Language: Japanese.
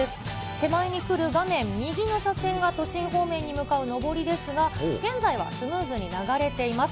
手前に来る、画面右の車線が都心方面に向かう上りですが、現在はスムーズに流れています。